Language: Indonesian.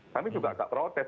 kami juga akan protes